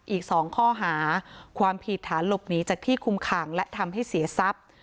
อีก๒ข้อหาความผิดฐานหลบหนีจากที่คุมขังและทำให้เสียทรัพย์